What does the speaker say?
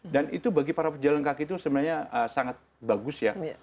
dan itu bagi para pejalan kaki itu sebenarnya sangat bagus ya